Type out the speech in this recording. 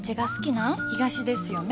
東ですよね？